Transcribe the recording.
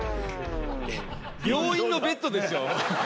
病院のベッドですよ